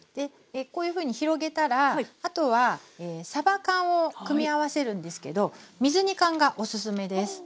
こういうふうに広げたらあとはさば缶を組み合わせるんですけど水煮缶がおすすめです。